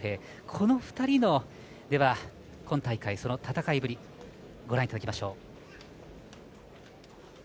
この２人の今大会、戦いぶりご覧いただきましょう。